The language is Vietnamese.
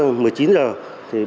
thì bốn đối tượng đã thừa nhận